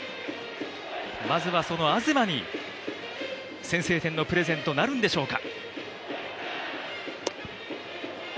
まずはその東に先制点のプレゼントなるんでしょうか。